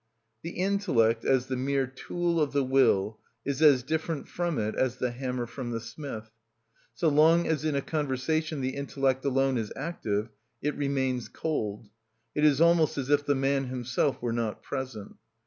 The intellect, as the mere tool of the will, is as different from it as the hammer from the smith. So long as in a conversation the intellect alone is active it remains cold. It is almost as if the man himself were not present.